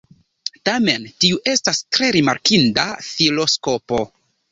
Tamen tiu estas tre rimarkinda filoskopo.